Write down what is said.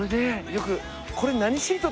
よく。